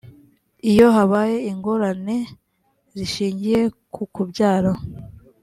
iyo habayeho ingorane zishingiye ku kubyara